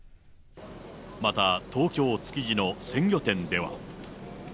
また東京・築地の鮮魚店では。